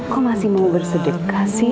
kok masih mau bersedekah sih